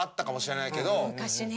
昔ね。